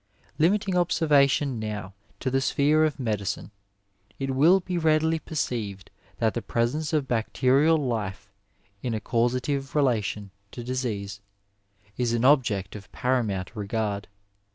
T.imiting observation now to the sphere of medicine, it will be readily perceived that the presence of bacterial life in a causative relation to disease is an object of para mount regard.